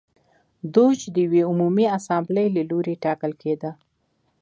دوج د یوې عمومي اسامبلې له لوري ټاکل کېده.